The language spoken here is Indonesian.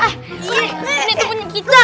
ini tuh punya kita